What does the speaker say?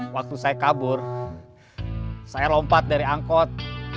waktu saya kabur saya lompat dari angkot